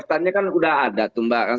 gagasannya kan sudah ada tuh mbak